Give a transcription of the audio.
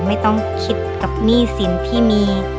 ไม่ต้องคิดกับหนี้สินที่มี